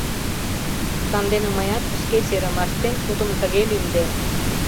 Сандене мыят шке серымаштем тудым тыге лӱмдем.